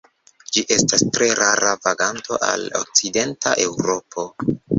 Ĝi estas tre rara vaganto al okcidenta Eŭropo.